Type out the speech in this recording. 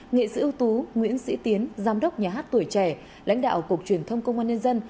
nghệ sĩ ưu tú nguyễn sĩ tiến giám đốc nhà hát tuổi trẻ lãnh đạo cục truyền thông công an nhân dân